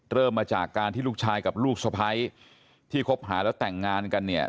เริ่มมาจากการที่ลูกชายกับลูกสะพ้ายที่คบหาแล้วแต่งงานกันเนี่ย